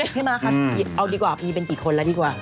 ม้าคะเอาดีกว่ามีเป็นกี่คนแล้วดีกว่า